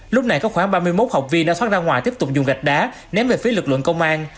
lúc này có khoảng ba mươi một học viên đã thoát ra ngoài tiếp tục dùng gạch đá ném về phía lực lượng công an